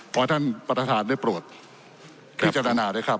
ขอให้ท่านประธานได้โปรดพิจารณาด้วยครับ